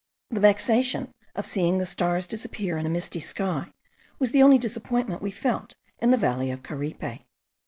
The vexation of seeing the stars disappear in a misty sky was the only disappointment we felt in the valley of Caripe.